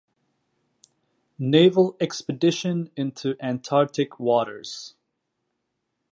Naval expedition into Antarctic waters.